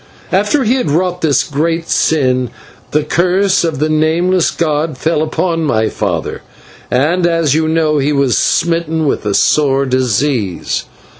After he had wrought this great sin, the curse of the Nameless god fell upon my father, and, as you know, he was smitten with a sore disease.